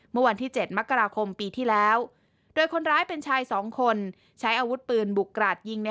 เมื่อวันที่๗มกราคมปีที่แล้วโดยคนร้ายเป็นชาย๒คนใช้อาวุธปืนบุกกราดยิง